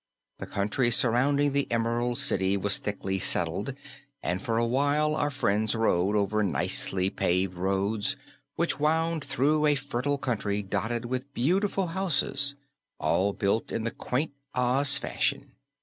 The country surrounding the Emerald City was thickly settled, and for a while our friends rode over nicely paved roads which wound through a fertile country dotted with beautiful houses, all built in the quaint Oz fashion.